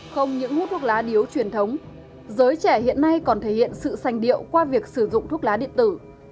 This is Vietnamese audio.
không những hút thuốc lá điếu truyền thống giới trẻ hiện nay còn thể hiện sự sành điệu qua việc sử dụng thuốc lá điện tử